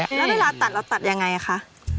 แล้วเวลาตัดเราตัดยังไงคะ